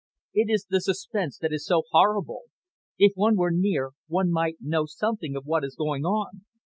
"It is the suspense that is so horrible. If one were near, one might know something of what is going on."